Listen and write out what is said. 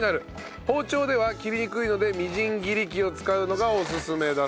包丁では切りにくいのでみじん切り器を使うのがおすすめだそうです。